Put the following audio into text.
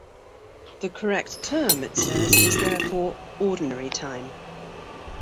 The correct term, it says, is therefore "Ordinary Time".